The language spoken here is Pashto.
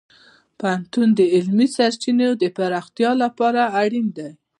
پوهنتون د علمي سرچینو د پراختیا لپاره اړین دی.